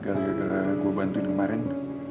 gara gara gue bantuin kemarin